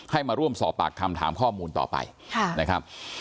มาร่วมสอบปากคำถามข้อมูลต่อไปนะครับ